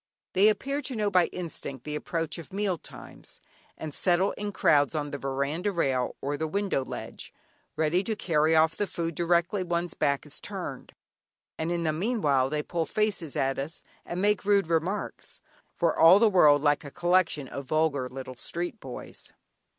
They appear to know by instinct the approach of meal times, and settle in crowds on the veranda rail or the window ledge, ready to carry off the food directly one's back is turned, and in the meanwhile they pull faces at us, and make rude remarks, for all the world like a collection of vulgar little street boys.